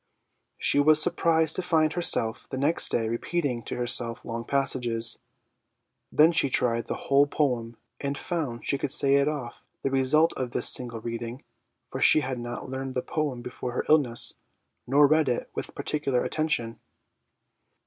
She was surprised to find herself the next day repeating to herself long passages. Then she tried the whole poem and found she could say it off, the result of 15 226 HOME EDUCATION this single reading, for she had not learned the poem before her illness, nor read it with particular attention.